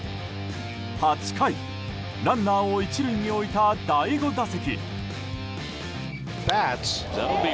８回、ランナーを１塁に置いた第５打席。